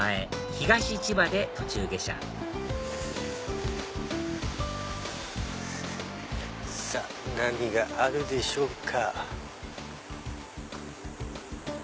東千葉で途中下車さぁ何があるでしょうか？